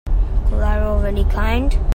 Collateral of any kind?